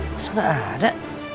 masuk gak ada